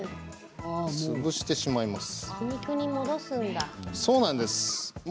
潰してしまいます。